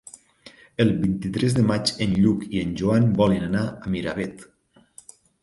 El vint-i-tres de maig en Lluc i en Joan volen anar a Miravet.